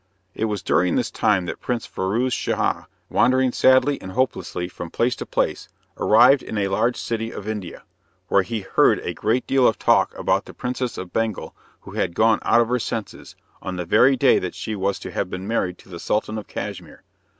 It was during this time that Prince Firouz Schah, wandering sadly and hopelessly from place to place, arrived in a large city of India, where he heard a great deal of talk about the Princess of Bengal who had gone out of her senses, on the very day that she was to have been married to the Sultan of Cashmere.